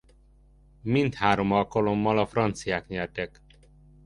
Mindhárom alkalommal a franciák nyertek.